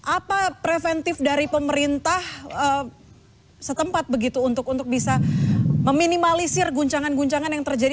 apa preventif dari pemerintah setempat begitu untuk bisa meminimalisir guncangan guncangan yang terjadi